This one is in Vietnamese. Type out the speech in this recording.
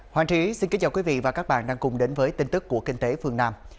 hoàng trí xin kính chào quý vị và các bạn đang cùng đến với tin tức của kinh tế phương nam